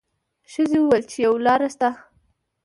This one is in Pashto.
ښځې وویل چې یوه لار شته.